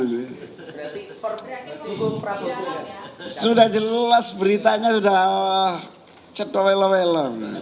sudah jelas beritanya sudah cedewele